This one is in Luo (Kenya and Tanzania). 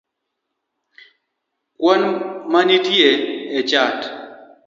kwan manitie e chat